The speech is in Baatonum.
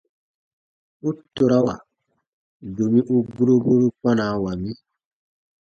U torawa, domi u guro guroru kpanawa mi.